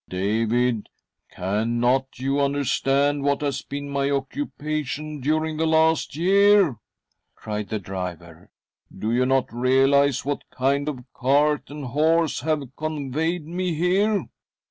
David, cannot you understand what has been my occupation during the last year? " cried the driver. " Do you not realise what kind of cart and horse have conveyed me here